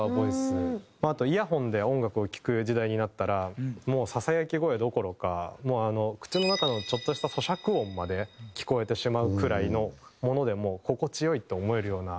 あとイヤフォンで音楽を聴く時代になったらもうささやき声どころか口の中のちょっとした咀嚼音まで聞こえてしまうくらいのものでも心地良いって思えるような。